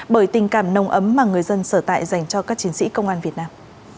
bởi tình cảm nồng ấm mà người dân sở tại dành cho các chiến sĩ công an việt nam